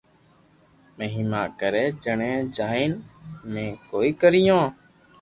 مھيما ڪري جڻي جائين امو ڪوئي ڪريو